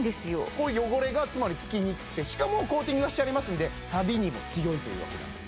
こういう汚れがつまりつきにくくてしかもコーティングがしてありますんでさびにも強いというわけなんです